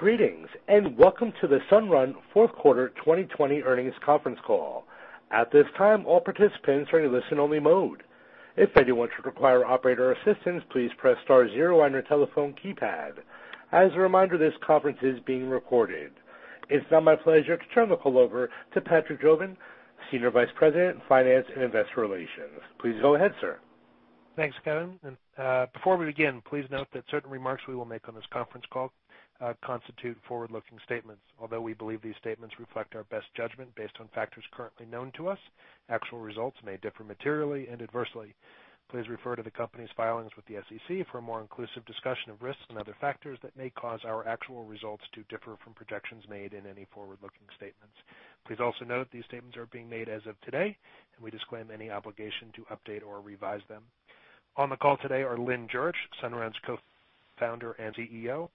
Greetings. Welcome to the Sunrun Fourth Quarter 2020 Earnings Conference Call. At this time all participants are in listen-only mode. If anyone should require operator's assistance please press star zero on your telephone keypad. As a reminder this conference is being recorded. It's now my pleasure to turn the call over to Patrick Jobin, Senior Vice President, Finance and Investor Relations. Please go ahead, sir. Thanks, Kevin. Before we begin, please note that certain remarks we will make on this conference call constitute forward-looking statements. Although we believe these statements reflect our best judgment based on factors currently known to us, actual results may differ materially and adversely. Please refer to the company's filings with the SEC for a more inclusive discussion of risks and other factors that may cause our actual results to differ from projections made in any forward-looking statements. Please also note these statements are being made as of today, and we disclaim any obligation to update or revise them. On the call today are Lynn Jurich, Sunrun's Co-founder and CEO,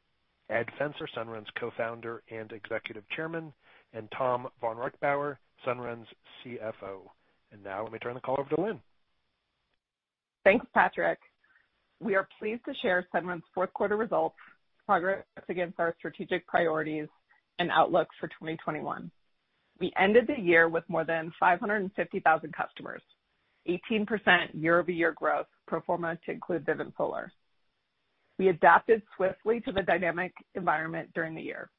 Ed Fenster, Sunrun's Co-founder and Executive Chairman, and Tom vonReichbauer, Sunrun's CFO. Now let me turn the call over to Lynn. Thanks, Patrick. We are pleased to share Sunrun's fourth quarter results, progress against our strategic priorities, and outlooks for 2021. We ended the year with more than 550,000 customers, 18% year-over-year growth pro forma to include Vivint Solar. We adapted swiftly to the dynamic environment during the year,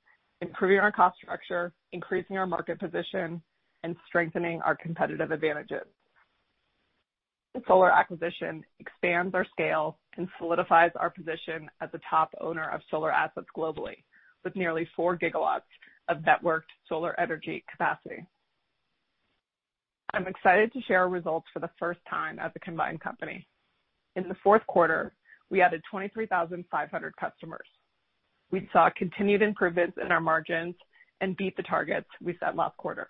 improving our cost structure, increasing our market position, and strengthening our competitive advantages. The solar acquisition expands our scale and solidifies our position as a top owner of solar assets globally, with nearly four gigawatts of networked solar energy capacity. I'm excited to share our results for the first time as a combined company. In the fourth quarter, we added 23,500 customers. We saw continued improvements in our margins and beat the targets we set last quarter.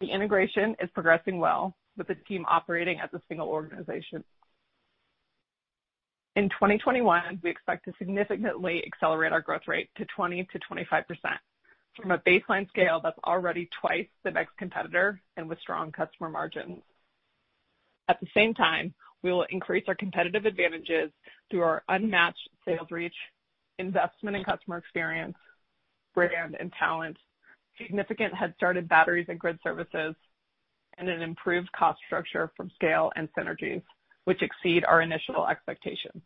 The integration is progressing well with the team operating as a single organization. In 2021, we expect to significantly accelerate our growth rate to 20%-25% from a baseline scale that's already twice the next competitor and with strong customer margins. At the same time, we will increase our competitive advantages through our unmatched sales reach, investment in customer experience, brand, and talent, significant head start in batteries and grid services, and an improved cost structure from scale and synergies, which exceed our initial expectations.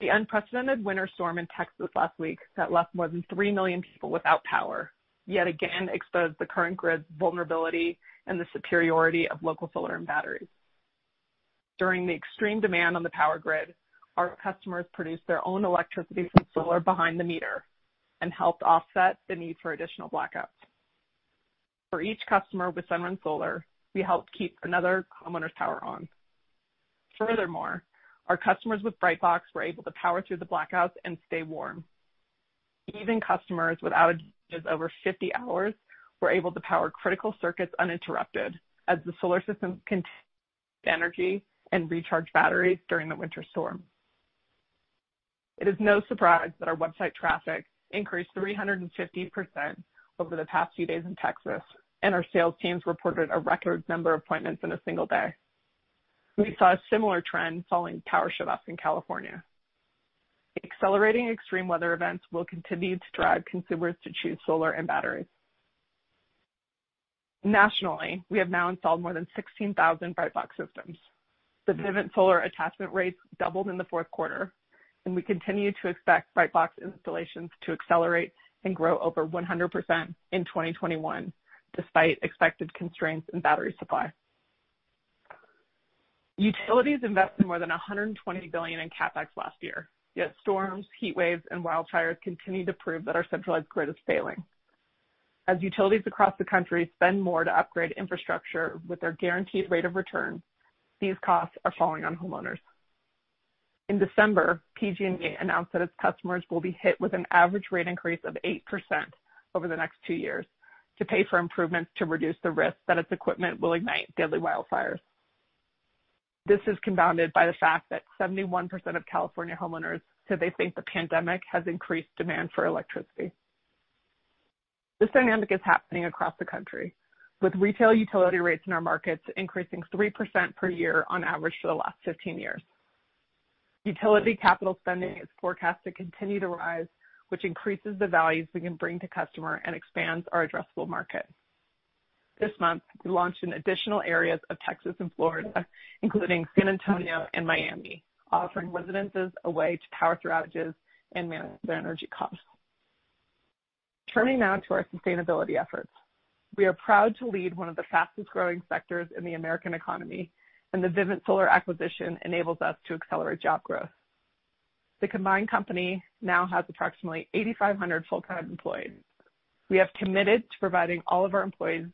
The unprecedented winter storm in Texas last week that left more than 3 million people without power yet again exposed the current grid's vulnerability and the superiority of local solar and batteries. During the extreme demand on the power grid, our customers produced their own electricity from solar behind the meter and helped offset the need for additional blackouts. For each customer with Sunrun Solar, we helped keep another homeowner's power on. Furthermore, our customers with Brightbox were able to power through the blackouts and stay warm. Even customers with outages over 50 hours were able to power critical circuits uninterrupted as the solar system continued to produce energy and recharge batteries during the winter storm. It is no surprise that our website traffic increased 350% over the past few days in Texas, and our sales teams reported a record number of appointments in a single day. We saw a similar trend following power shutoffs in California. Accelerating extreme weather events will continue to drive consumers to choose solar and batteries. Nationally, we have now installed more than 16,000 Brightbox systems. The Vivint Solar attachment rates doubled in the fourth quarter, and we continue to expect Brightbox installations to accelerate and grow over 100% in 2021, despite expected constraints in battery supply. Utilities invested more than $120 billion in CapEx last year, yet storms, heat waves, and wildfires continue to prove that our centralized grid is failing. As utilities across the country spend more to upgrade infrastructure with their guaranteed rate of return, these costs are falling on homeowners. In December, PG&E announced that its customers will be hit with an average rate increase of 8% over the next two years to pay for improvements to reduce the risk that its equipment will ignite deadly wildfires. This is compounded by the fact that 71% of California homeowners said they think the pandemic has increased demand for electricity. This dynamic is happening across the country, with retail utility rates in our markets increasing 3% per year on average for the last 15 years. Utility capital spending is forecast to continue to rise, which increases the values we can bring to customers and expands our addressable market. This month, we launched in additional areas of Texas and Florida, including San Antonio and Miami, offering residences a way to power through outages and manage their energy costs. Turning now to our sustainability efforts. We are proud to lead one of the fastest-growing sectors in the American economy, and the Vivint Solar acquisition enables us to accelerate job growth. The combined company now has approximately 8,500 full-time employees. We have committed to providing all of our employees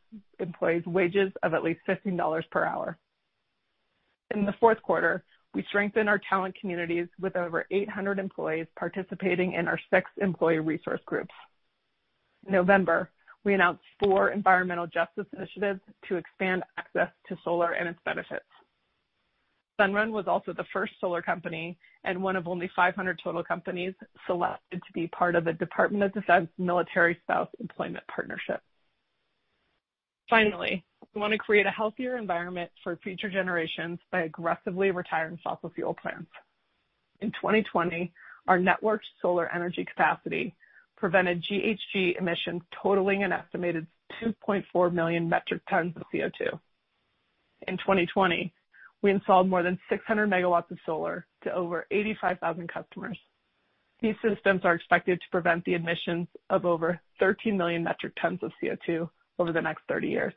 wages of at least $15 per hour. In the fourth quarter, we strengthened our talent communities with over 800 employees participating in our six employee resource groups. In November, we announced four environmental justice initiatives to expand access to solar and its benefits. Sunrun was also the first solar company, and one of only 500 total companies, selected to be part of the Department of Defense Military Spouse Employment Partnership. We want to create a healthier environment for future generations by aggressively retiring fossil fuel plants. In 2020, our network solar energy capacity prevented GHG emissions totaling an estimated 2.4 million metric tons of CO2. In 2020, we installed more than 600 MW of solar to over 85,000 customers. These systems are expected to prevent the emissions of over 13 million metric tons of CO2 over the next 30 years.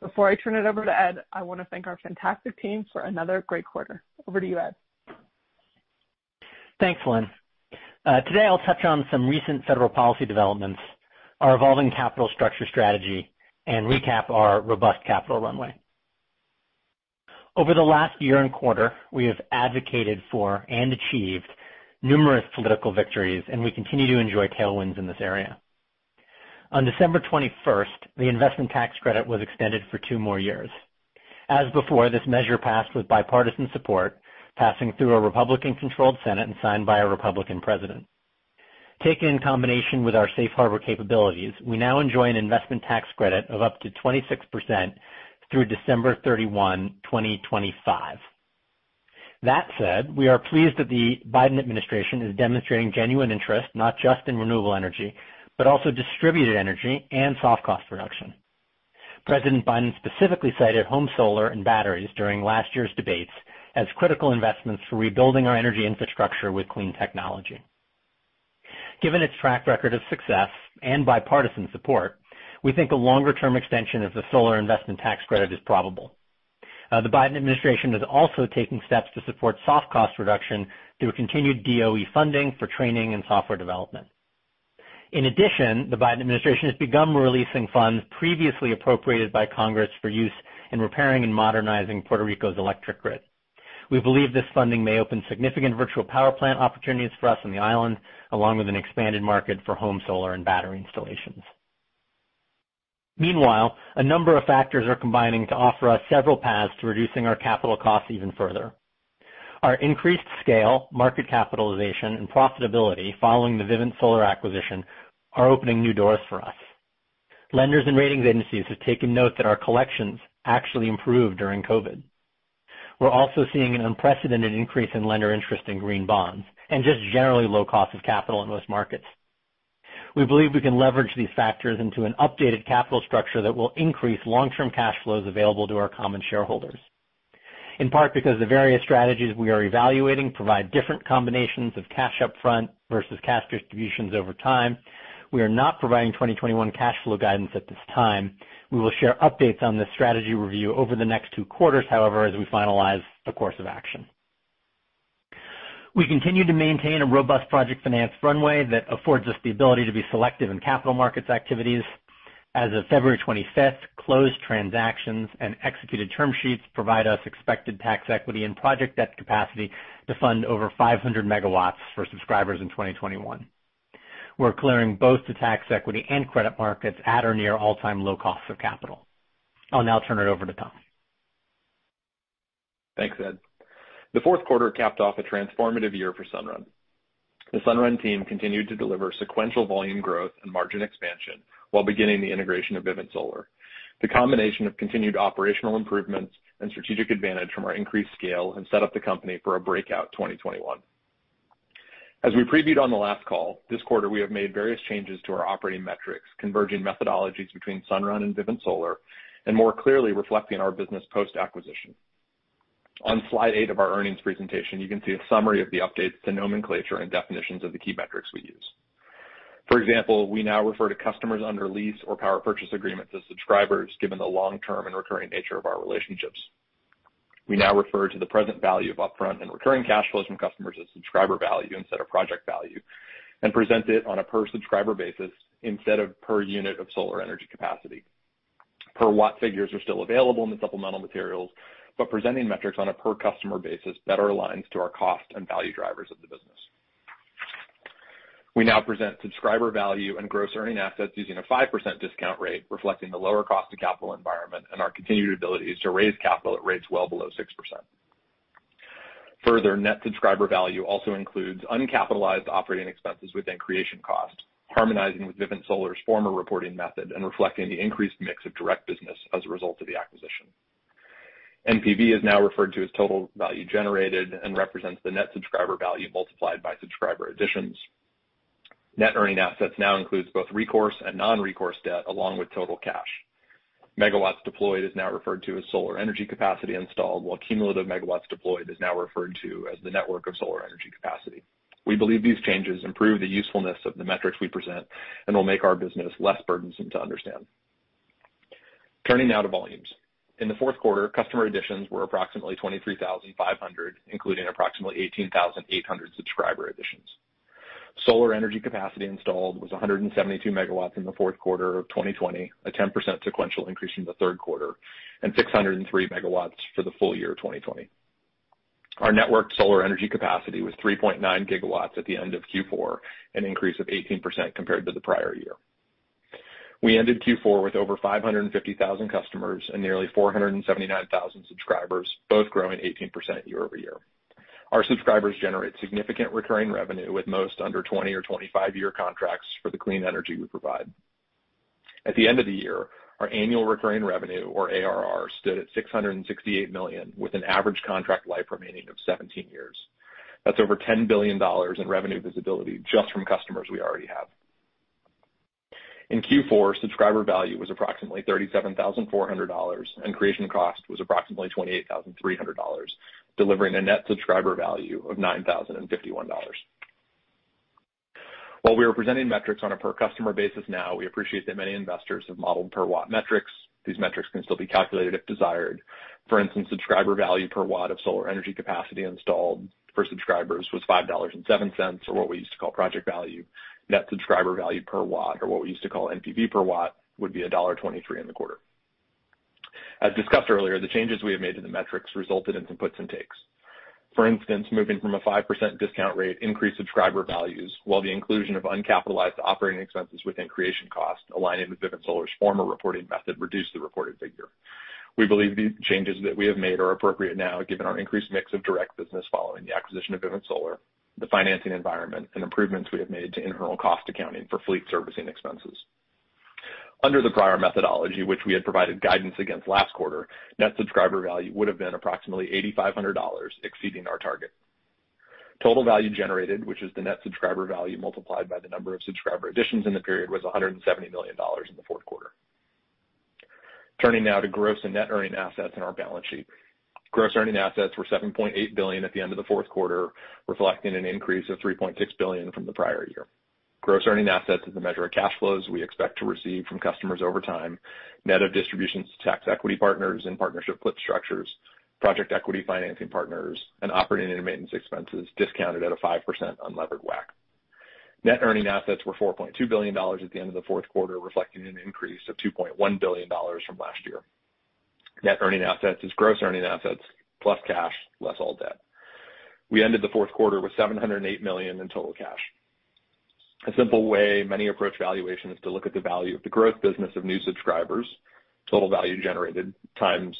Before I turn it over to Ed, I want to thank our fantastic team for another great quarter. Over to you, Ed. Thanks, Lynn. Today I'll touch on some recent federal policy developments, our evolving capital structure strategy, and recap our robust capital runway. Over the last year and quarter, we have advocated for and achieved numerous political victories, and we continue to enjoy tailwinds in this area. On December 21st, the Investment Tax Credit was extended for two more years. As before, this measure passed with bipartisan support, passing through a Republican-controlled Senate and signed by a Republican president. Taken in combination with our safe harbor capabilities, we now enjoy an Investment Tax Credit of up to 26% through December 31, 2025. That said, we are pleased that the Biden administration is demonstrating genuine interest, not just in renewable energy, but also distributed energy and soft cost reduction. President Biden specifically cited home solar and batteries during last year's debates as critical investments for rebuilding our energy infrastructure with clean technology. Given its track record of success and bipartisan support, we think a longer-term extension of the solar Investment Tax Credit is probable. The Biden administration is also taking steps to support soft cost reduction through continued DOE funding for training and software development. In addition, the Biden administration has begun releasing funds previously appropriated by Congress for use in repairing and modernizing Puerto Rico's electric grid. We believe this funding may open significant virtual power plant opportunities for us on the island, along with an expanded market for home solar and battery installations. Meanwhile, a number of factors are combining to offer us several paths to reducing our capital costs even further. Our increased scale, market capitalization, and profitability following the Vivint Solar acquisition are opening new doors for us. Lenders and ratings agencies have taken note that our collections actually improved during COVID. We're also seeing an unprecedented increase in lender interest in green bonds and just generally low cost of capital in most markets. We believe we can leverage these factors into an updated capital structure that will increase long-term cash flows available to our common shareholders. In part because the various strategies we are evaluating provide different combinations of cash upfront versus cash distributions over time, we are not providing 2021 cash flow guidance at this time. We will share updates on this strategy review over the next two quarters, however, as we finalize the course of action. We continue to maintain a robust project finance runway that affords us the ability to be selective in capital markets activities. As of February 25th, closed transactions and executed term sheets provide us expected tax equity and project debt capacity to fund over 500 MW for subscribers in 2021. We're clearing both the tax equity and credit markets at or near all-time low costs of capital. I'll now turn it over to Tom. Thanks, Ed. The fourth quarter capped off a transformative year for Sunrun. The Sunrun team continued to deliver sequential volume growth and margin expansion while beginning the integration of Vivint Solar. The combination of continued operational improvements and strategic advantage from our increased scale have set up the company for a breakout 2021. As we previewed on the last call, this quarter we have made various changes to our operating metrics, converging methodologies between Sunrun and Vivint Solar, and more clearly reflecting our business post-acquisition. On slide eight of our earnings presentation, you can see a summary of the updates to nomenclature and definitions of the key metrics we use. For example, we now refer to customers under lease or power purchase agreements as subscribers, given the long-term and recurring nature of our relationships. We now refer to the present value of upfront and recurring cash flows from customers as subscriber value instead of project value, and present it on a per-subscriber basis instead of per unit of solar energy capacity. Per watt figures are still available in the supplemental materials, but presenting metrics on a per-customer basis better aligns to our cost and value drivers of the business. We now present subscriber value and gross earning assets using a 5% discount rate, reflecting the lower cost of capital environment and our continued ability to raise capital at rates well below 6%. Further, net subscriber value also includes uncapitalized operating expenses within creation cost, harmonizing with Vivint Solar's former reporting method and reflecting the increased mix of direct business as a result of the acquisition. NPV is now referred to as total value generated and represents the net subscriber value multiplied by subscriber additions. Net earning assets now includes both recourse and non-recourse debt, along with total cash. megawatts deployed is now referred to as solar energy capacity installed, while cumulative megawatts deployed is now referred to as the network of solar energy capacity. We believe these changes improve the usefulness of the metrics we present and will make our business less burdensome to understand. Turning now to volumes. In the fourth quarter, customer additions were approximately 23,500, including approximately 18,800 subscriber additions. Solar energy capacity installed was 172 MW in the fourth quarter of 2020, a 10% sequential increase from the third quarter, and 603 megawatts for the full-year 2020. Our network of solar energy capacity was 3.9 GW at the end of Q4, an increase of 18% compared to the prior year. We ended Q4 with over 550,000 customers and nearly 479,000 subscribers, both growing 18% year-over-year. Our subscribers generate significant recurring revenue with most under 20 or 25-year contracts for the clean energy we provide. At the end of the year, our annual recurring revenue, or ARR, stood at $668 million, with an average contract life remaining of 17 years. That's over $10 billion in revenue visibility just from customers we already have. In Q4, subscriber value was approximately $37,400, and creation cost was approximately $28,300, delivering a net subscriber value of $9,051. While we are presenting metrics on a per customer basis now, we appreciate that many investors have modeled per watt metrics. These metrics can still be calculated if desired. For instance, subscriber value per watt of solar energy capacity installed for subscribers was $5.07, or what we used to call project value. Net subscriber value per watt, or what we used to call NPV per watt, would be $1.23 in the quarter. As discussed earlier, the changes we have made to the metrics resulted in some puts and takes. For instance, moving from a 5% discount rate increased subscriber values, while the inclusion of uncapitalized operating expenses within creation cost aligning with Vivint Solar's former reporting method reduced the reported figure. We believe these changes that we have made are appropriate now given our increased mix of direct business following the acquisition of Vivint Solar, the financing environment, and improvements we have made to internal cost accounting for fleet servicing expenses. Under the prior methodology, which we had provided guidance against last quarter, net subscriber value would have been approximately $8,500, exceeding our target. Total value generated, which is the net subscriber value multiplied by the number of subscriber additions in the period, was $170 million in the fourth quarter. Turning now to gross and net earning assets in our balance sheet. Gross earning assets were $7.8 billion at the end of the fourth quarter, reflecting an increase of $3.6 billion from the prior year. Gross earning assets is a measure of cash flows we expect to receive from customers over time, net of distributions to tax equity partners and partnership flip structures, project equity financing partners, and operating and maintenance expenses discounted at a 5% unlevered WACC. Net earning assets were $4.2 billion at the end of the fourth quarter, reflecting an increase of $2.1 billion from last year. Net earning assets is gross earning assets plus cash, less all debt. We ended the fourth quarter with $708 million in total cash. A simple way many approach valuation is to look at the value of the growth business of new subscribers, total value generated times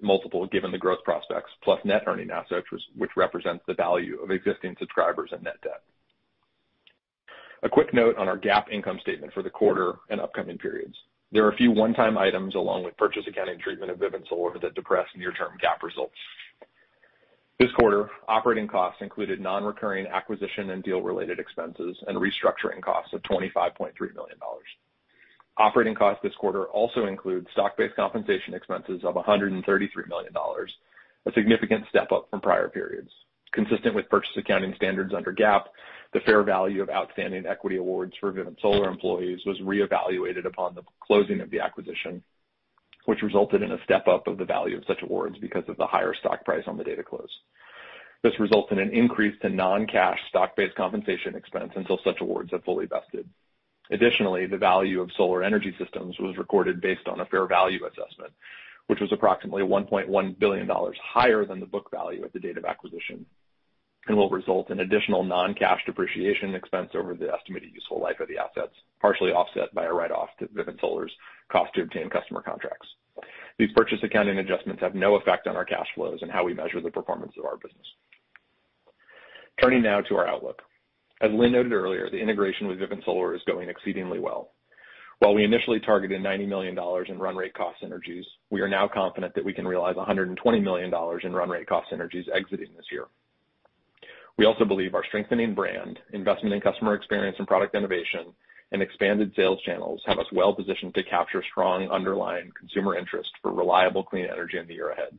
multiple given the growth prospects, plus net earning assets, which represents the value of existing subscribers and net debt. A quick note on our GAAP income statement for the quarter and upcoming periods. There are a few one-time items along with purchase accounting treatment of Vivint Solar that depress near-term GAAP results. This quarter, operating costs included non-recurring acquisition and deal-related expenses and restructuring costs of $25.3 million. Operating costs this quarter also include stock-based compensation expenses of $133 million, a significant step-up from prior periods. Consistent with purchase accounting standards under GAAP, the fair value of outstanding equity awards for Vivint Solar employees was reevaluated upon the closing of the acquisition, which resulted in a step-up of the value of such awards because of the higher stock price on the date of close. This results in an increase to non-cash stock-based compensation expense until such awards have fully vested. The value of solar energy systems was recorded based on a fair value assessment, which was approximately $1.1 billion higher than the book value at the date of acquisition and will result in additional non-cash depreciation expense over the estimated useful life of the assets, partially offset by a write-off to Vivint Solar's cost to obtain customer contracts. These purchase accounting adjustments have no effect on our cash flows and how we measure the performance of our business. Turning now to our outlook. As Lynn noted earlier, the integration with Vivint Solar is going exceedingly well. While we initially targeted $90 million in run rate cost synergies, we are now confident that we can realize $120 million in run rate cost synergies exiting this year. We also believe our strengthening brand, investment in customer experience and product innovation, and expanded sales channels have us well positioned to capture strong underlying consumer interest for reliable, clean energy in the year ahead.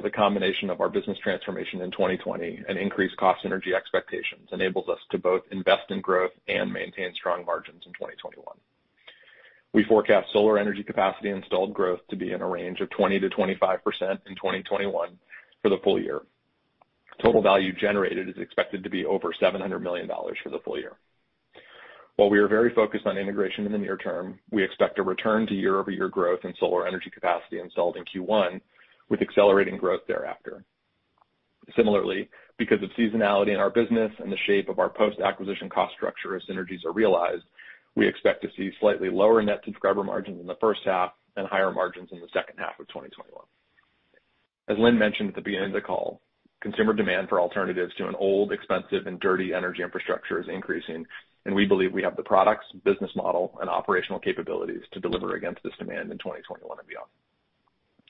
The combination of our business transformation in 2020 and increased cost synergy expectations enables us to both invest in growth and maintain strong margins in 2021. We forecast solar energy capacity installed growth to be in a range of 20% to 25% in 2021 for the full-year. Total value generated is expected to be over $700 million for the full-year. While we are very focused on integration in the near term, we expect a return to year-over-year growth in solar energy capacity installed in Q1, with accelerating growth thereafter. Similarly, because of seasonality in our business and the shape of our post-acquisition cost structure as synergies are realized, we expect to see slightly lower net subscriber margins in the first half and higher margins in the second half of 2021. As Lynn mentioned at the beginning of the call, consumer demand for alternatives to an old, expensive, and dirty energy infrastructure is increasing, and we believe we have the products, business model, and operational capabilities to deliver against this demand in 2021 and beyond.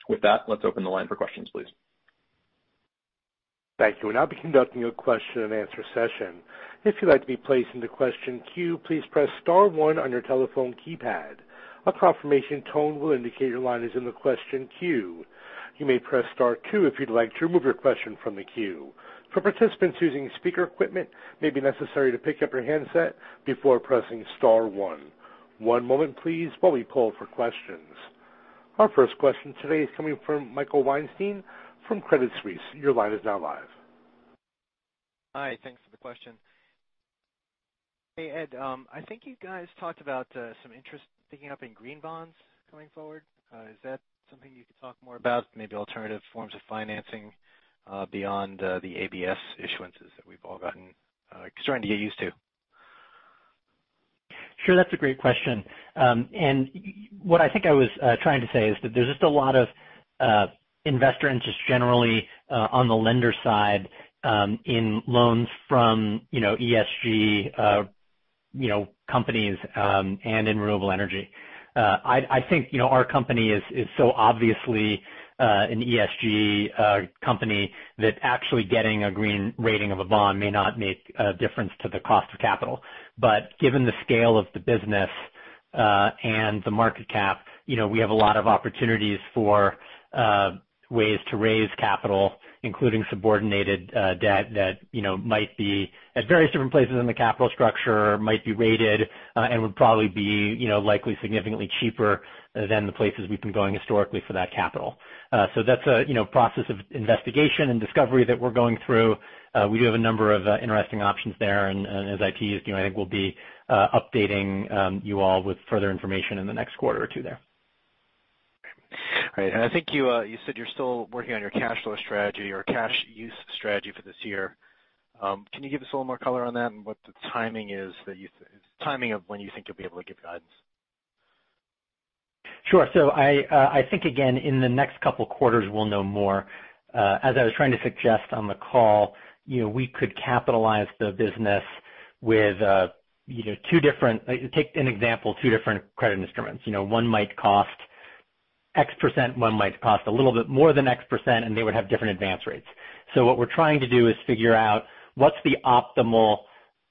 With that, let's open the line for questions, please. We will now begin the question-and-answer session. If you would like to be placed in the question queue please press star one on your telephone keypad. A confirmation tone will indicate your line is in the question queue. You may press star two if you would like to remove your question from the queue. For participants using speaker equipment it may be necessary to pick up your handset before pressing star one. One moment please while we pause for questions. Our first question today is coming from Michael Weinstein from Credit Suisse. Your line is now live. Hi. Thanks for the question. Hey, Ed. I think you guys talked about some interest picking up in green bonds going forward. Is that something you could talk more about? Maybe alternative forms of financing beyond the ABS issuances that we've all gotten starting to get used to. Sure, that's a great question. What I think I was trying to say is that there's just a lot of investor interest generally on the lender side in loans from ESG companies and in renewable energy. I think our company is so obviously an ESG company that actually getting a green rating of a bond may not make a difference to the cost of capital. Given the scale of the business and the market cap, we have a lot of opportunities for ways to raise capital, including subordinated debt that might be at various different places in the capital structure, might be rated and would probably be likely significantly cheaper than the places we've been going historically for that capital. That's a process of investigation and discovery that we're going through. We do have a number of interesting options there, and as I teased, I think we'll be updating you all with further information in the next quarter or two there. Right. I think you said you're still working on your cash flow strategy or cash use strategy for this year. Can you give us a little more color on that and what the timing is of when you think you'll be able to give guidance? Sure. I think, again, in the next couple of quarters, we'll know more. As I was trying to suggest on the call, we could capitalize the business with two different credit instruments. One might cost X%, one might cost a little bit more than X%, they would have different advance rates. What we're trying to do is figure out what's the optimal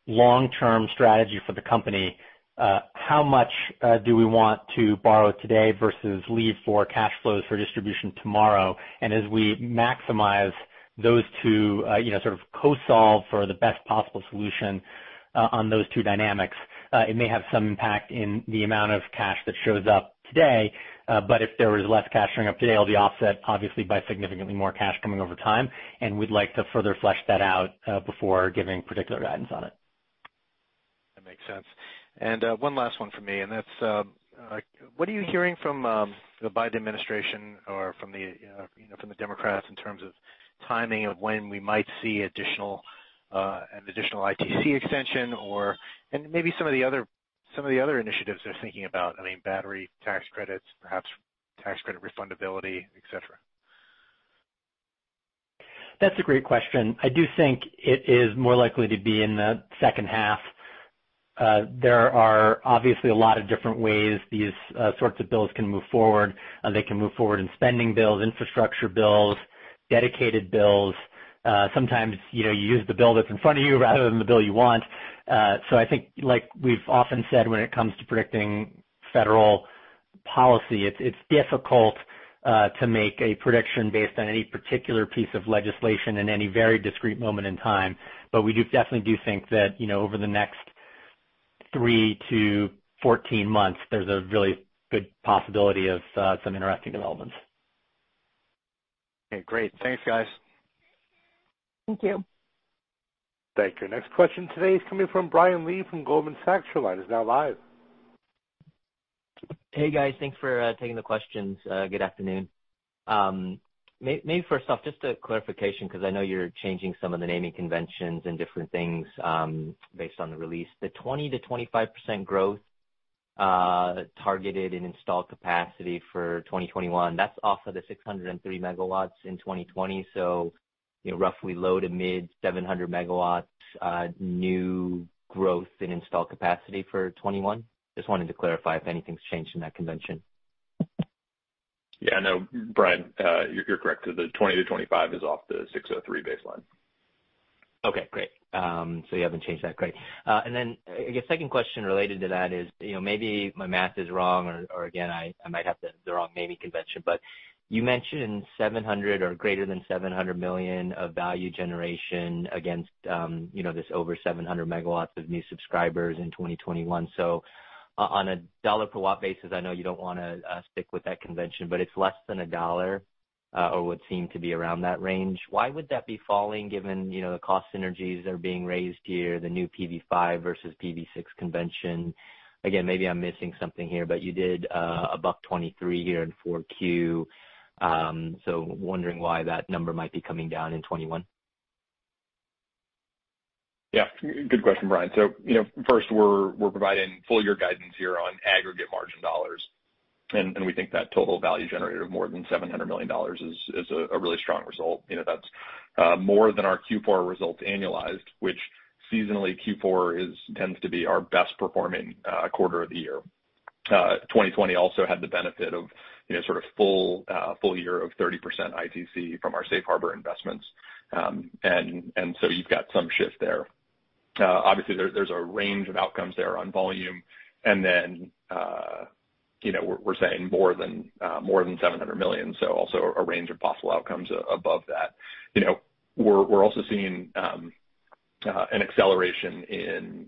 long-term strategy for the company? How much do we want to borrow today versus leave for cash flows for distribution tomorrow? As we maximize those two, sort of co-solve for the best possible solution on those two dynamics, it may have some impact in the amount of cash that shows up today. If there was less cash showing up today, it'll be offset obviously by significantly more cash coming over time, and we'd like to further flesh that out before giving particular guidance on it. That makes sense. One last one from me, and that's what are you hearing from the Biden administration or from the Democrats in terms of timing of when we might see an additional ITC extension or maybe some of the other initiatives they're thinking about? I mean, battery tax credits, perhaps tax credit refundability, et cetera. That's a great question. I do think it is more likely to be in the second half. There are obviously a lot of different ways these sorts of bills can move forward. They can move forward in spending bills, infrastructure bills, dedicated bills. Sometimes you use the bill that's in front of you rather than the bill you want. I think, like we've often said when it comes to predicting federal policy, it's difficult to make a prediction based on any particular piece of legislation in any very discrete moment in time. We definitely do think that over the next three to 14 months, there's a really good possibility of some interesting developments. Okay, great. Thanks, guys. Thank you. Thank you. Next question today is coming from Brian Lee from Goldman Sachs. Your line is now live. Hey, guys. Thanks for taking the questions. Good afternoon. Maybe first off, just a clarification, because I know you're changing some of the naming conventions and different things based on the release. The 20%-25% growth targeted in installed capacity for 2021, that's off of the 603 MW in 2020. Roughly low to mid 700 MW new growth in installed capacity for 2021. Just wanted to clarify if anything's changed in that convention. Yeah, no, Brian, you're correct. The 20%-25% is off the 603 baseline. Okay, great. You haven't changed that. Great. I guess second question related to that is maybe my math is wrong or again, I might have the wrong naming convention, but you mentioned $700 or greater than $700 million of value generation against this over 700 MW of new subscribers in 2021. On a dollar per watt basis, I know you don't want to stick with that convention, but it's less than $1 or would seem to be around that range. Why would that be falling given the cost synergies that are being raised here, the new PV5 versus PV6 convention? Again, maybe I'm missing something here, but you did above 23 here in 4Q, wondering why that number might be coming down in 2021. Yeah, good question, Brian. First, we're providing full-year guidance here on aggregate margin dollars, and we think that total value generated of more than $700 million is a really strong result. That's more than our Q4 results annualized, which seasonally Q4 tends to be our best performing quarter of the year. 2020 also had the benefit of sort of full-year of 30% ITC from our safe harbor investments. You've got some shift there. Obviously, there's a range of outcomes there on volume. Then we're saying more than $700 million, also a range of possible outcomes above that. We're also seeing an acceleration in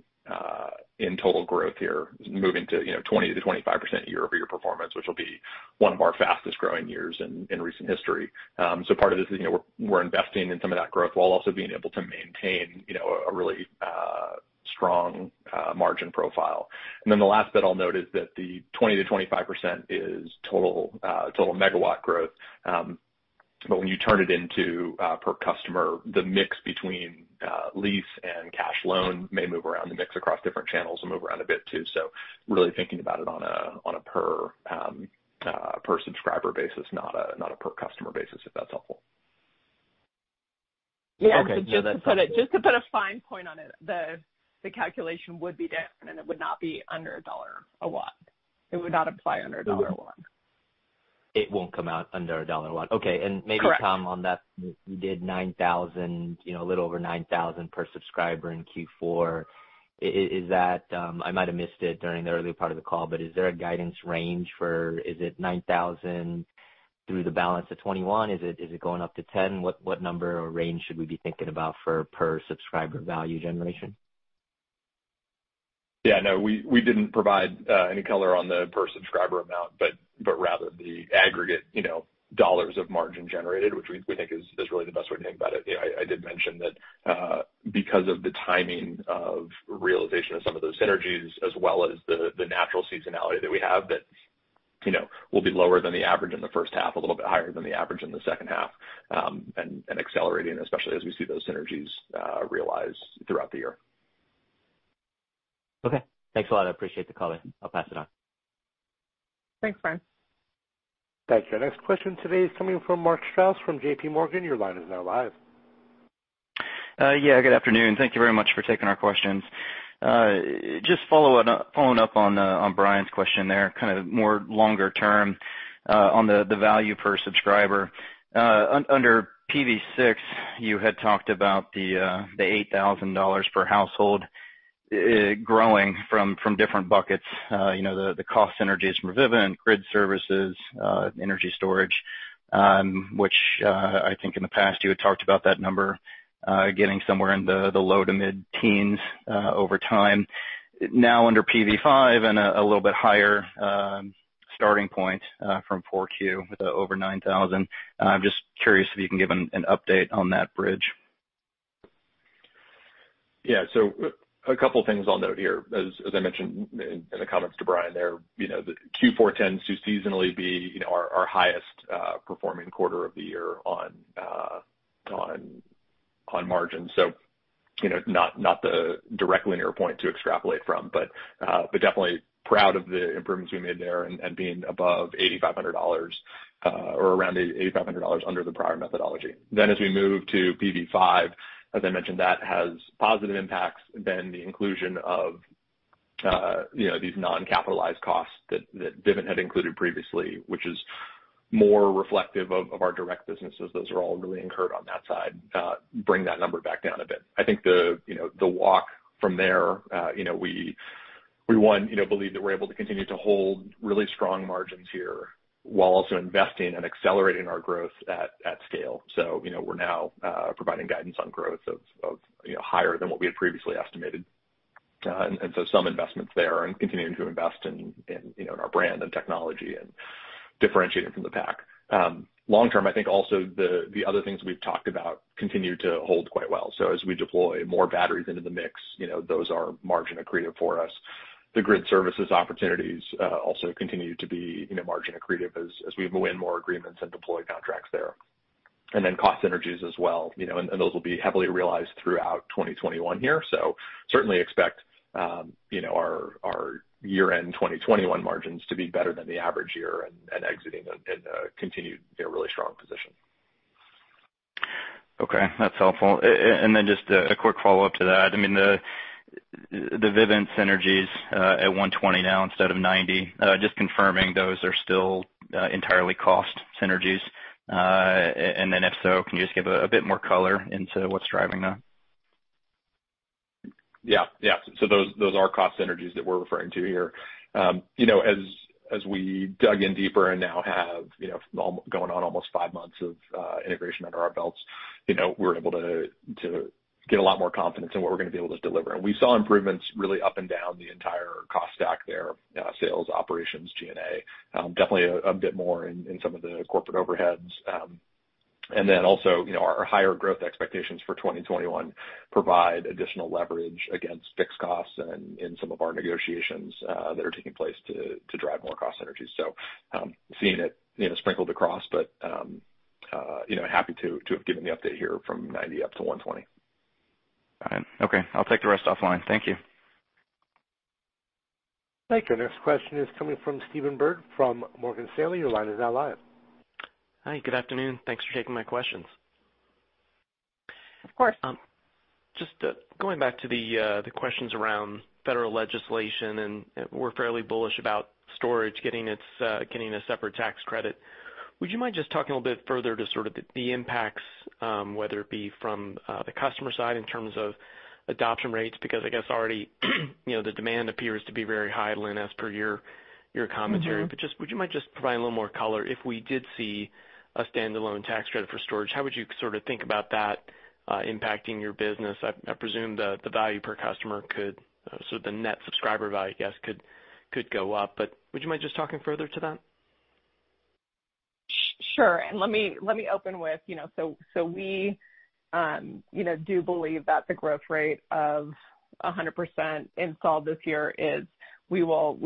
total growth here moving to 20%-25% year-over-year performance, which will be one of our fastest-growing years in recent history. Part of this is we're investing in some of that growth while also being able to maintain a really strong margin profile. The last bit I'll note is that the 20%-25% is total megawatt growth. But when you turn it into per customer, the mix between lease and cash loan may move around the mix across different channels and move around a bit too. Really thinking about it on a per subscriber basis, not a per customer basis, if that's helpful. Yeah. Okay. Just to put a fine point on it, the calculation would be different, and it would not be under $1 a watt. It would not apply under $1 a watt. It won't come out under $1 a watt. Okay. Correct. Maybe, Tom, on that, you did a little over $9,000 per subscriber in Q4. I might have missed it during the early part of the call, is there a guidance range for, is it $9,000 through the balance of 2021? Is it going up to $10? What number or range should we be thinking about for per subscriber value generation? Yeah, no, we didn't provide any color on the per subscriber amount, but rather the aggregate dollars of margin generated, which we think is really the best way to think about it. I did mention that because of the timing of realization of some of those synergies, as well as the natural seasonality that we have that will be lower than the average in the first half, a little bit higher than the average in the second half, and accelerating, especially as we see those synergies realize throughout the year. Okay. Thanks a lot. I appreciate the color. I'll pass it on. Thanks, Brian. Thank you. Our next question today is coming from Mark Strouse from JPMorgan. Your line is now live. Yeah, good afternoon. Thank you very much for taking our questions. Just following up on Brian's question there, kind of more longer term on the value per subscriber. Under PV6, you had talked about the $8,000 per household growing from different buckets. The cost synergies from Vivint, grid services, energy storage, which I think in the past, you had talked about that number getting somewhere in the low to mid-teens over time. Now under PV5 and a little bit higher starting point from 4Q with over 9,000. I'm just curious if you can give an update on that bridge. Yeah, a couple of things I'll note here. As I mentioned in the comments to Brian there, Q4 tends to seasonally be our highest performing quarter of the year on margin. Not the direct linear point to extrapolate from, but definitely proud of the improvements we made there and being above $8,500 or around $8,500 under the prior methodology. As we move to PV5, as I mentioned, that has positive impacts than the inclusion of these non-capitalized costs that Vivint had included previously, which is more reflective of our direct businesses. Those are all really incurred on that side. Bring that number back down a bit. I think the walk from there, we, one, believe that we're able to continue to hold really strong margins here while also investing and accelerating our growth at scale. We're now providing guidance on growth of higher than what we had previously estimated. Some investments there and continuing to invest in our brand and technology and differentiating from the pack. Long term, I think also the other things we've talked about continue to hold quite well. As we deploy more batteries into the mix, those are margin accretive for us. The grid services opportunities also continue to be margin accretive as we win more agreements and deploy contracts there. Cost synergies as well, and those will be heavily realized throughout 2021 here. Certainly expect our year-end 2021 margins to be better than the average year and exiting in a continued really strong position. Okay, that's helpful. Just a quick follow-up to that. The Vivint synergies at 120 now instead of 90, just confirming those are still entirely cost synergies? If so, can you just give a bit more color into what's driving that? Yeah. Those are cost synergies that we're referring to here. As we dug in deeper and now have going on almost five months of integration under our belts, we're able to get a lot more confidence in what we're going to be able to deliver. We saw improvements really up and down the entire cost stack there, sales, operations, G&A. Definitely a bit more in some of the corporate overheads. Also our higher growth expectations for 2021 provide additional leverage against fixed costs and in some of our negotiations that are taking place to drive more cost synergies. Seeing it sprinkled across, but happy to have given the update here from $90 up to $120. All right. Okay. I'll take the rest offline. Thank you. Thank you. Next question is coming from Stephen Byrd from Morgan Stanley. Your line is now live. Hi, good afternoon. Thanks for taking my questions. Of course. Just going back to the questions around federal legislation, and we're fairly bullish about storage getting a separate tax credit. Would you mind just talking a little bit further to sort of the impacts, whether it be from the customer side in terms of adoption rates? I guess already, the demand appears to be very high, Lynn, as per your commentary. Would you mind just providing a little more color if we did see a standalone tax credit for storage? How would you sort of think about that impacting your business? I presume the value per customer could, so the net subscriber value, I guess, could go up. Would you mind just talking further to that? Sure. Let me open with, we do believe that the growth rate of 100% installed this year is, we will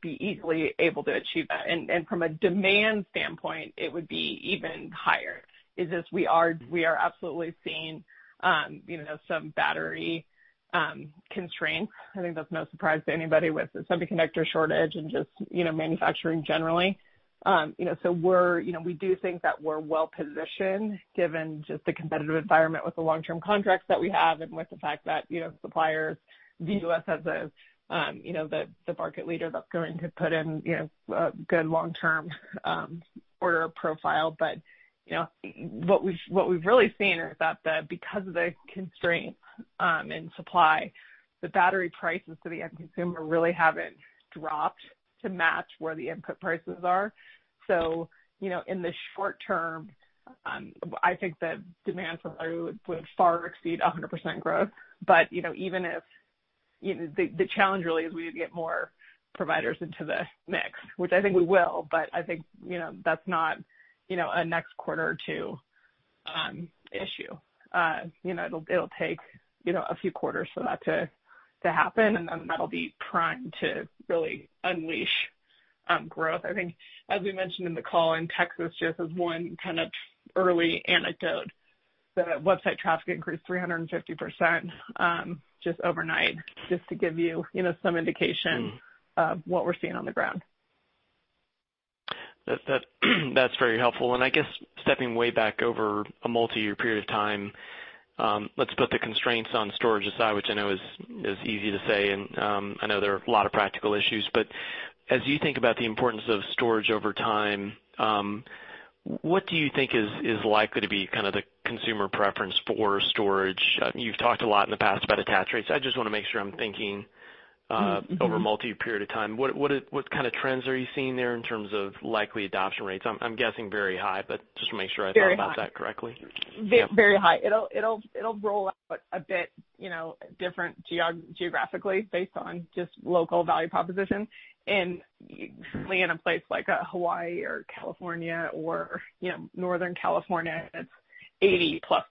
be easily able to achieve that. From a demand standpoint, it would be even higher. Is just we are absolutely seeing some battery constraints. I think that's no surprise to anybody with the semiconductor shortage and just, manufacturing generally. We do think that we're well-positioned given just the competitive environment with the long-term contracts that we have and with the fact that, suppliers view us as the market leader that's going to put in a good long-term order profile. What we've really seen is that because of the constraints in supply, the battery prices to the end consumer really haven't dropped to match where the input prices are. In the short term, I think that demand for battery would far exceed 100% growth. The challenge really is we need to get more providers into the mix, which I think we will. I think that's not a next quarter or two issue. It'll take a few quarters for that to happen, and then that'll be primed to really unleash growth. I think, as we mentioned in the call, in Texas, just as one kind of early anecdote, the website traffic increased 350% just overnight, just to give you some indication of what we're seeing on the ground. That's very helpful. I guess stepping way back over a multi-year period of time, let's put the constraints on storage aside, which I know is easy to say, and I know there are a lot of practical issues, but as you think about the importance of storage over time, what do you think is likely to be kind of the consumer preference for storage? You've talked a lot in the past about attach rates. I just want to make sure I'm thinking over a multi-period of time. What kind of trends are you seeing there in terms of likely adoption rates? I'm guessing very high, but just to make sure I thought about that correctly. Very high. It'll roll out a bit different geographically based on just local value propositions. Certainly in a place like Hawaii or California or Northern California, it's 80%+.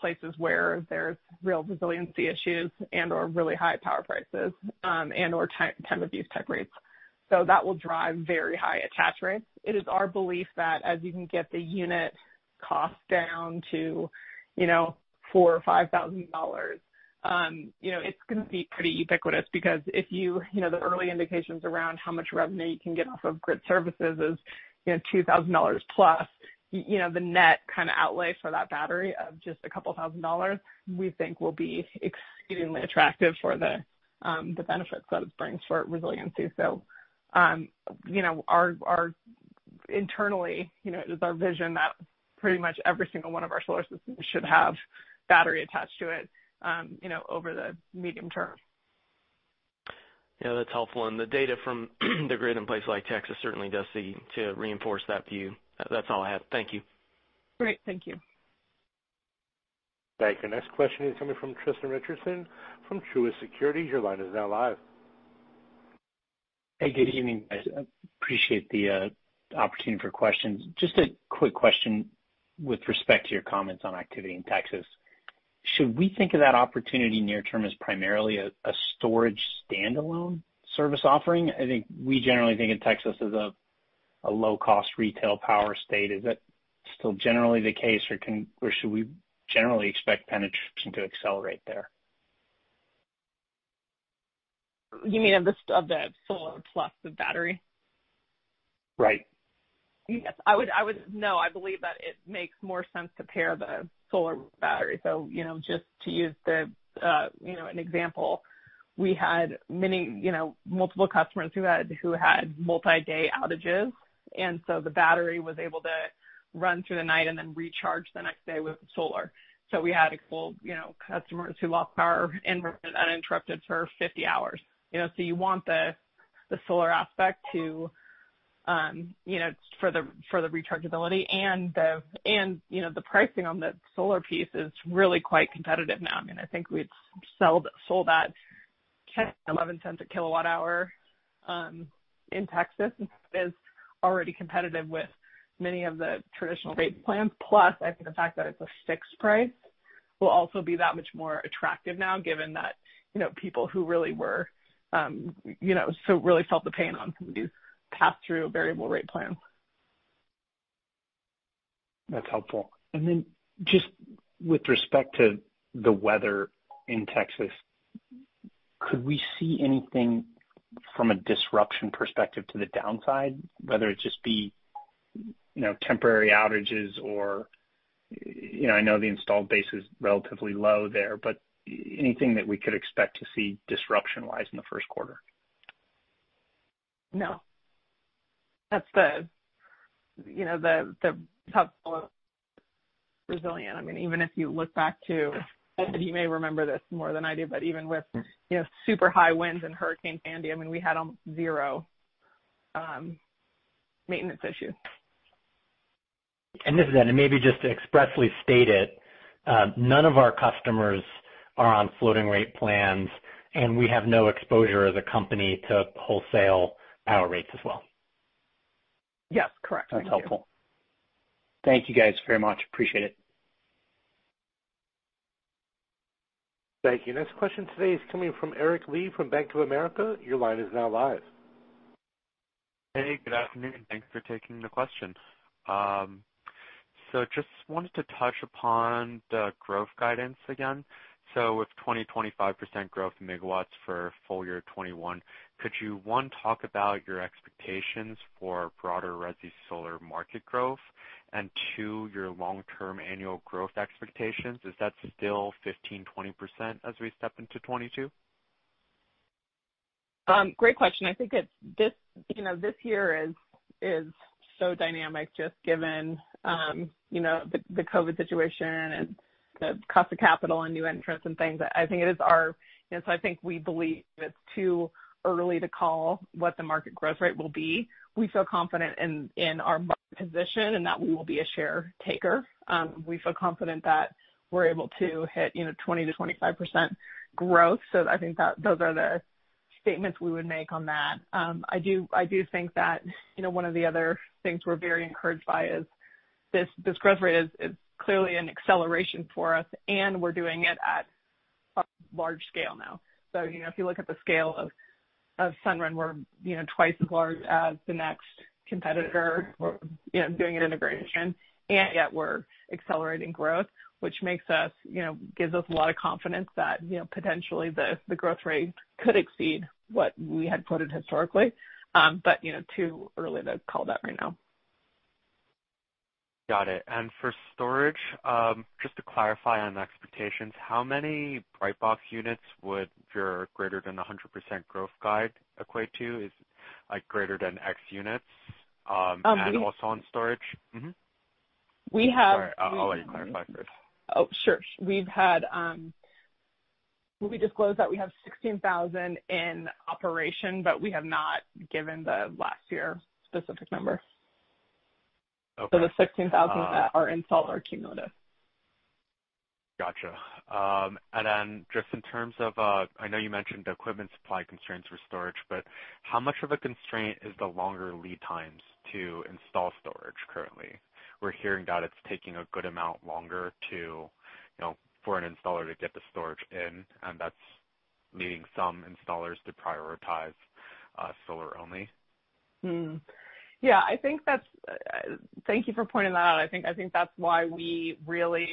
Places where there's real resiliency issues and/or really high power prices, and/or time of use type rates. That will drive very high attach rates. It is our belief that as you can get the unit cost down to 4 or $5,000, it's going to be pretty ubiquitous because the early indications around how much revenue you can get off of grid services is $2,000+. The net outlay for that battery of just a couple thousand dollars, we think will be extremely attractive for the benefits that it brings for resiliency. Internally, it is our vision that pretty much every single one of our solar systems should have battery attached to it over the medium term. Yeah, that's helpful. The data from the grid in places like Texas certainly does seem to reinforce that view. That's all I had. Thank you. Great. Thank you. Thank you. Next question is coming from Tristan Richardson from Truist Securities. Your line is now live. Hey, good evening, guys. Appreciate the opportunity for questions. Just a quick question with respect to your comments on activity in Texas. Should we think of that opportunity near term as primarily a storage standalone service offering? I think we generally think of Texas as a low-cost retail power state. Is that still generally the case, or should we generally expect penetration to accelerate there? You mean of the solar plus the battery? Right. Yes. No, I believe that it makes more sense to pair the solar with battery. Just to use an example, we had multiple customers who had multi-day outages, the battery was able to run through the night and then recharge the next day with solar. We had a couple customers who lost power and were uninterrupted for 50 hours. You want the solar aspect for the rechargeability and the pricing on the solar piece is really quite competitive now. I think we had sold at $0.10, $0.11 a kWh in Texas, is already competitive with many of the traditional rate plans. Plus, I think the fact that it's a fixed price will also be that much more attractive now given that people who really felt the pain on these pass-through variable rate plans. That's helpful. Then just with respect to the weather in Texas, could we see anything from a disruption perspective to the downside, whether it just be temporary outages or I know the installed base is relatively low there, but anything that we could expect to see disruption-wise in the first quarter? No. That's the tough, resilient. If you look back to, Tristan, you may remember this more than I do, but even with super high winds and Hurricane Sandy, we had almost zero maintenance issues This is Ed, and maybe just to expressly state it, none of our customers are on floating rate plans, and we have no exposure as a company to wholesale power rates as well. Yes, correct. Thank you. That's helpful. Thank you guys very much. Appreciate it. Thank you. Next question today is coming from Eric Li from Bank of America. Your line is now live. Hey, good afternoon. Thanks for taking the question. Just wanted to touch upon the growth guidance again. With 20%-25% growth in megawatts for full-year 2021, could you, one, talk about your expectations for broader resi solar market growth? Two, your long-term annual growth expectations, is that still 15%-20% as we step into 2022? Great question. I think this year is so dynamic, just given the COVID situation and the cost of capital and new entrants and things. I think we believe it's too early to call what the market growth rate will be. We feel confident in our market position and that we will be a share taker. We feel confident that we're able to hit 20%-25% growth. I think those are the statements we would make on that. I do think that one of the other things we're very encouraged by is this growth rate is clearly an acceleration for us, and we're doing it at a large scale now. If you look at the scale of Sunrun, we're twice as large as the next competitor doing an integration, and yet we're accelerating growth, which gives us a lot of confidence that potentially the growth rate could exceed what we had quoted historically. Too early to call that right now. Got it. For storage, just to clarify on expectations, how many Brightbox units would your greater than 100% growth guide equate to, is greater than X units and also on storage? We have- Sorry, I'll let you clarify first. Oh, sure. We disclosed that we have 16,000 in operation, but we have not given the last year specific number. Okay. The 16,000 that are installed are cumulative. Got you. Then just in terms of, I know you mentioned the equipment supply constraints for storage, but how much of a constraint is the longer lead times to install storage currently? We're hearing that it's taking a good amount longer for an installer to get the storage in, and that's leading some installers to prioritize solar only. Thank you for pointing that out. I think that's why we really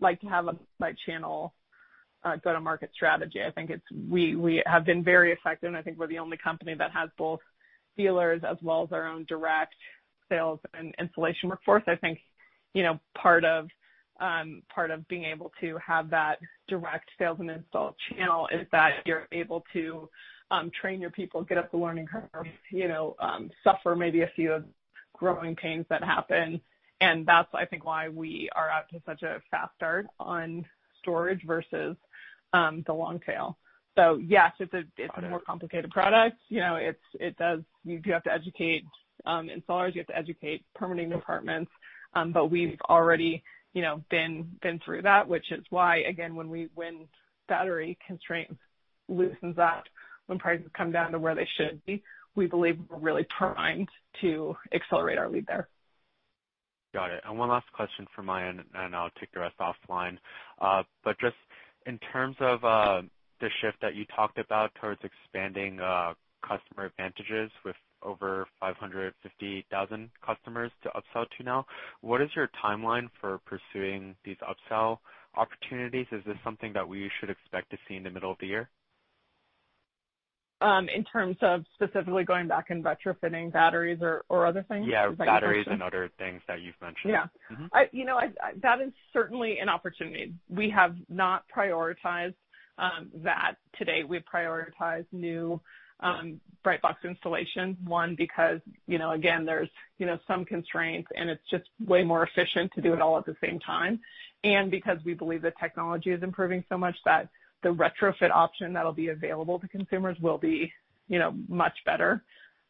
like to have a multi-channel go-to-market strategy. I think we have been very effective, and I think we're the only company that has both dealers as well as our own direct sales and installation workforce. I think part of being able to have that direct sales and install channel is that you're able to train your people, get up the learning curve, suffer maybe a few growing pains that happen, and that's, I think, why we are out to such a fast start on storage versus the long tail. Yes, it's a more complicated product. You have to educate installers. You have to educate permitting departments. We've already been through that, which is why, again, when battery constraint loosens up, when prices come down to where they should be, we believe we're really primed to accelerate our lead there. Got it. One last question from my end, then I'll take the rest offline. Just in terms of the shift that you talked about towards expanding customer advantages with over 550,000 customers to upsell to now, what is your timeline for pursuing these upsell opportunities? Is this something that we should expect to see in the middle of the year? In terms of specifically going back and retrofitting batteries or other things? Is that your question? Yeah, batteries and other things that you've mentioned. Yeah. That is certainly an opportunity. We have not prioritized that to date. We prioritize new Brightbox installation. One, because again, there's some constraints, and it's just way more efficient to do it all at the same time. Because we believe the technology is improving so much that the retrofit option that'll be available to consumers will be much better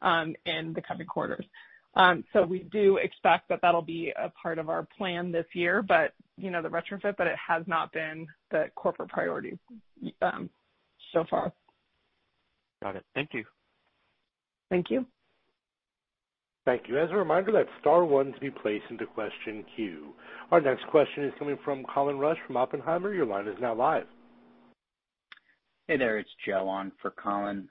in the coming quarters. We do expect that that'll be a part of our plan this year, the retrofit, but it has not been the corporate priority so far. Got it. Thank you. Thank you. Thank you. As a reminder, let star one be placed into question queue. Our next question is coming from Colin Rusch from Oppenheimer. Your line is now live. Hey there, it's Joe on for Colin.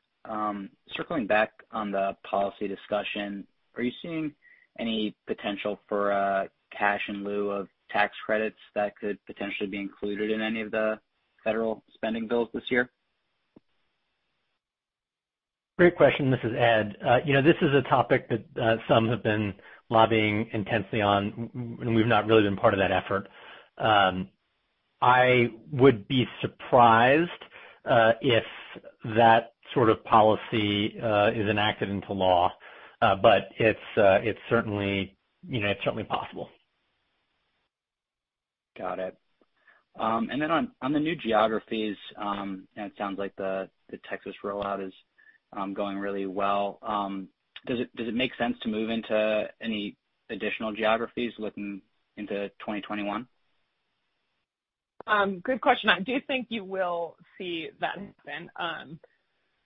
Circling back on the policy discussion, are you seeing any potential for a cash in lieu of tax credits that could potentially be included in any of the federal spending bills this year? Great question. This is Ed. This is a topic that some have been lobbying intensely on. We've not really been part of that effort. I would be surprised if that sort of policy is enacted into law. It's certainly possible. Got it. Then on the new geographies, it sounds like the Texas rollout is going really well. Does it make sense to move into any additional geographies looking into 2021? Good question. I do think you will see that happen.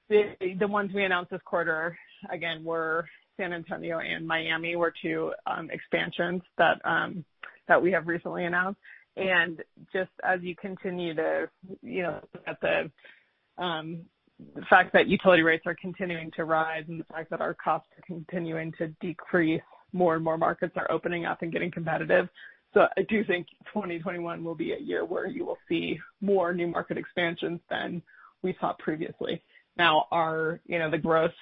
The ones we announced this quarter, again, were San Antonio and Miami were two expansions that we have recently announced. Just as you continue to look at the fact that utility rates are continuing to rise and the fact that our costs are continuing to decrease, more and more markets are opening up and getting competitive. I do think 2021 will be a year where you will see more new market expansions than we saw previously. Now, the growth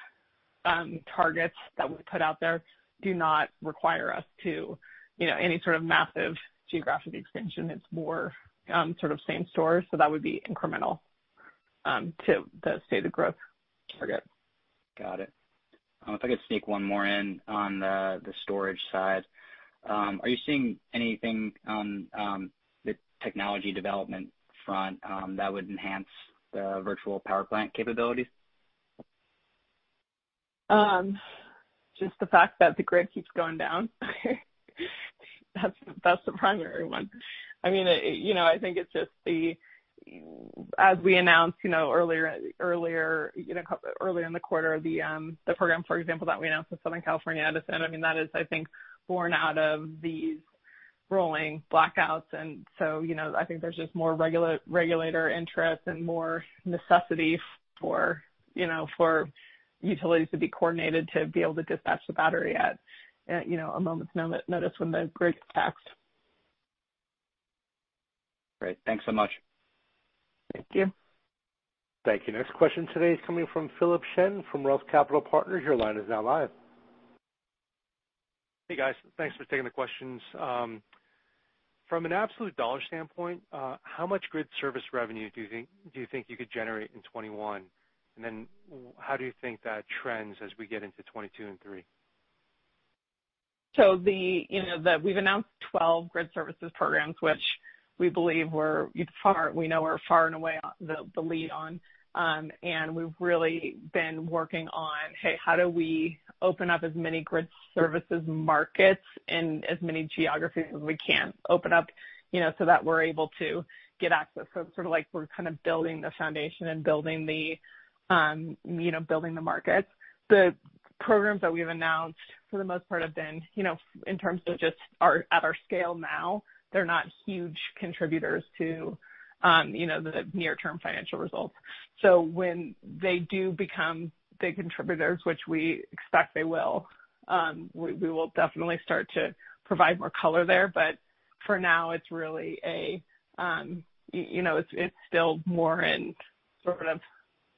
targets that we put out there do not require us to any sort of massive geographic expansion. It's more sort of same stores, so that would be incremental to the stated growth target. Got it. If I could sneak one more in on the storage side. Are you seeing anything on the technology development front that would enhance the virtual power plant capabilities? Just the fact that the grid keeps going down. That's the primary one. I think it's just the, as we announced earlier in the quarter, the program, for example, that we announced with Southern California Edison. That is, I think, born out of these rolling blackouts. I think there's just more regulator interest and more necessity for utilities to be coordinated, to be able to dispatch the battery at a moment's notice when the grid's taxed. Great. Thanks so much. Thank you. Thank you. Next question today is coming from Philip Shen from ROTH Capital Partners. Your line is now live. Hey, guys. Thanks for taking the questions. From an absolute dollar standpoint, how much grid service revenue do you think you could generate in 2021? How do you think that trends as we get into 2022 and 2023? We've announced 12 grid services programs, which we know we're far and away the lead on. We've really been working on, hey, how do we open up as many grid services markets in as many geographies as we can. Open up so that we're able to get access. It's sort of like we're kind of building the foundation and building the markets. The programs that we've announced, for the most part, have been, in terms of just at our scale now, they're not huge contributors to the near-term financial results. When they do become big contributors, which we expect they will, we will definitely start to provide more color there. For now, it's still more in sort of,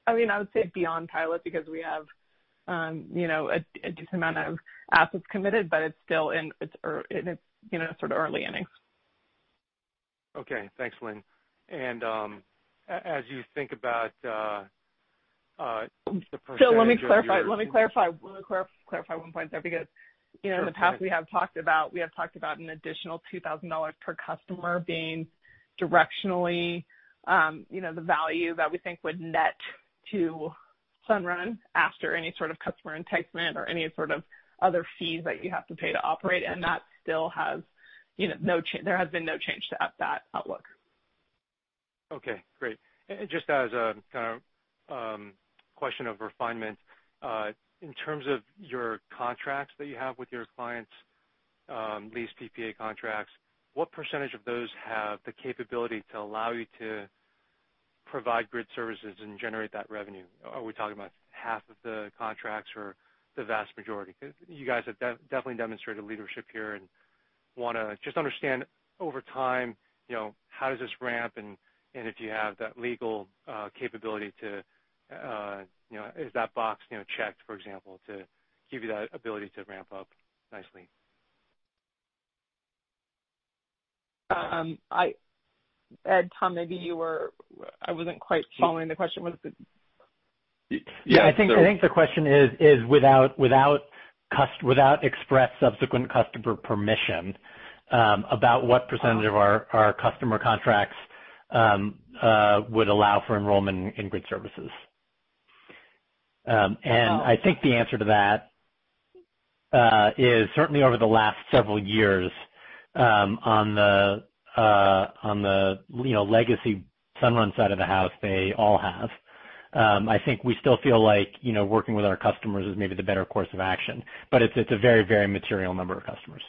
I would say beyond pilot, because we have a decent amount of assets committed, but it's still in its early innings. Okay, thanks, Lynn. Let me clarify one point there. Sure, go ahead. In the past, we have talked about an additional $2,000 per customer being directionally the value that we think would net to Sunrun after any sort of customer enticement or any sort of other fees that you have to pay to operate. There has been no change to that outlook. Okay, great. Just as a kind of question of refinement, in terms of your contracts that you have with your clients, leased PPA contracts, what percentage of those have the capability to allow you to provide grid services and generate that revenue? Are we talking about half of the contracts or the vast majority? You guys have definitely demonstrated leadership here and want to just understand over time, how does this ramp and if you have that legal capability to, is that box checked, for example, to give you that ability to ramp up nicely? Ed, Tom, I wasn't quite following the question. Yeah, I think the question is, without expressed subsequent customer permission, about what percentage of our customer contracts would allow for enrollment in grid services. I think the answer to that is certainly over the last several years, on the legacy Sunrun side of the house, they all have. I think we still feel like working with our customers is maybe the better course of action. It's a very material number of customers.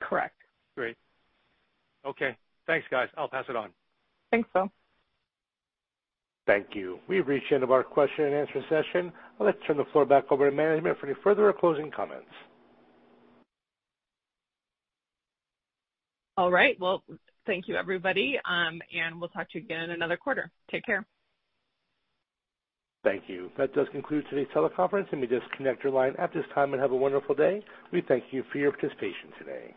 Correct. Great. Okay, thanks, guys. I'll pass it on. Thanks, Phil. Thank you. We've reached the end of our question-and-answer session. I'd like to turn the floor back over to management for any further or closing comments. All right. Well, thank you, everybody, and we'll talk to you again another quarter. Take care. Thank you. That does conclude today's teleconference. You may disconnect your line at this time and have a wonderful day. We thank you for your participation today.